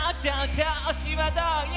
調子はどうよ？」